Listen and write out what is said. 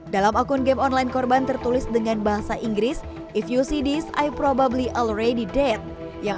dalam akun game online korban tertulis dengan bahasa inggris if you see this i probably already dead yang